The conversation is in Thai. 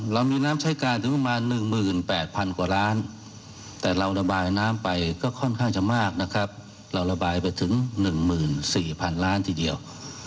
เรามีน้ำใช้การถึงประมาณ๑๘๐๐๐กว่าล้านแต่เราระบายน้ำไปก็ค่อนข้างจะมากนะครับเราระบายไปถึง๑๔๐๐๐ล้านทีเดียว